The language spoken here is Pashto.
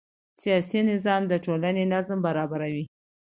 سیاسي نظام د ټولنې نظم برابروي